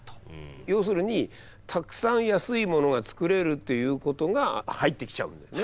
要するにたくさん安いものが作れるということが入ってきちゃうんだよね。